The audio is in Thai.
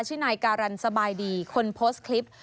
ชื่อนายการันสบายดีคนโพสต์คลิป